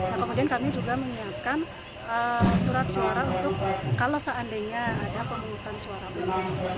nah kemudian kami juga menyiapkan surat suara untuk kalau seandainya ada pemungutan suara ulang